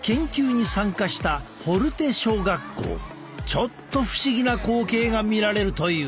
ちょっと不思議な光景が見られるという。